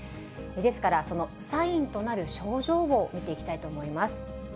ですから、そのサインとなる症状を見ていきたいと思います。